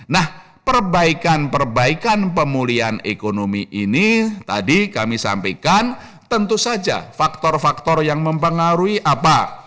nah perbaikan perbaikan pemulihan ekonomi ini tadi kami sampaikan tentu saja faktor faktor yang mempengaruhi apa